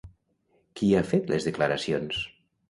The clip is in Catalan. Qui ha fet les declaracions?